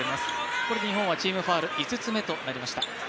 これ日本はチームファウル５つ目となりました。